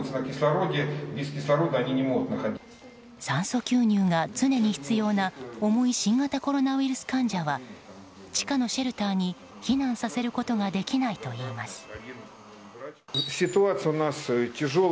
酸素吸入が常に必要な重い新型コロナウイルス患者は地下のシェルターに避難をさせることができないといいます。